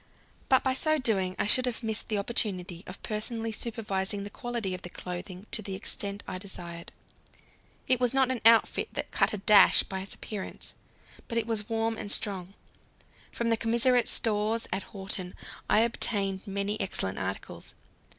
But by so doing I should have missed the opportunity of personally supervising the quality of the clothing to the extent I desired. It was not an outfit that cut a dash by its appearance, but it was warm and strong. From the commissariat stores at Horten I obtained many excellent articles.